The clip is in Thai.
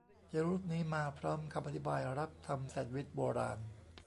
เจอรูปนี้มา พร้อมคำอธิบาย "รับทำ แซนวิชโบราณ"